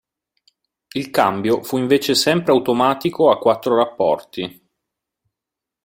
Il cambio fu invece sempre automatico a quattro rapporti.